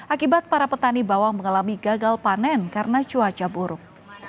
akibat para petani bawang mengalami gagal panen karena cuaca buruk